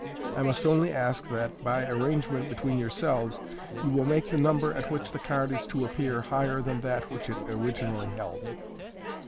I must only ask that, by arrangement between yourselves, you will make the number at which the card is to appear higher than that which it originally held."